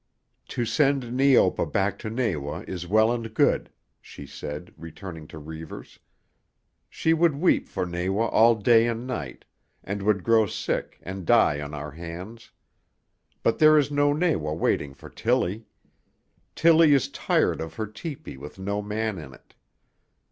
"To send Neopa back to Nawa is well and good," she said, returning to Reivers. "She would weep for Nawa all day and night, and would grow sick and die on our hands. But there is no Nawa waiting for Tillie. Tillie is tired of her tepee with no man in it.